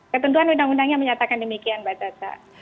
ketentuan undang undangnya menyatakan demikian mbak caca